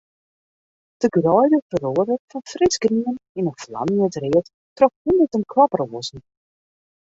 De greide feroaret fan frisgrien yn in flamjend read troch hûnderten klaproazen.